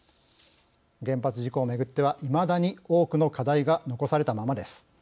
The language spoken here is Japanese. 原発事故を巡ってはいまだに多くの課題が残されたままです。